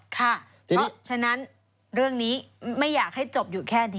ค่ะเพราะฉะนั้นเรื่องนี้ไม่อยากให้จบอยู่แค่นี้